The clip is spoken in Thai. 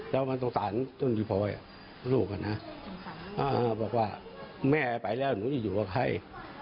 แล้วมันสงสารต้นพี่พลอยลูกบอกว่าแม่ไปแล้วหนูจะอยู่กับใคร